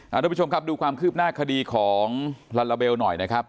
ทุกผู้ชมครับดูความคืบหน้าคดีของลาลาเบลหน่อยนะครับ